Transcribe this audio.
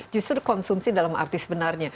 justru konsumsi dalam arti sebenarnya